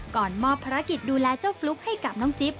ก่อนมอบภารกิจดูแลเจ้าฟลุ๊กให้กับน้องจิ๊บ